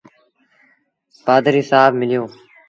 پڌريٚ سآب مليو۔